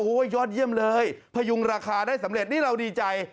โอ้โหยอดเยี่ยมเลยพยุงราคาได้สำเร็จนี่เราดีใจ